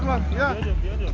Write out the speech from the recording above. keluar keluar keluar